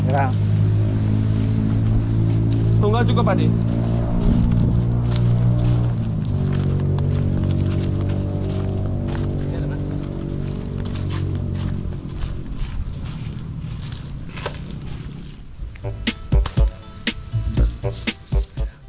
tunggal juga pak de